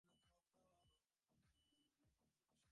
সবার সঙ্গে হ্যান্ডশেক শেষ হলেই তিনি ধীরে ধীরে হেঁটে চলে যান।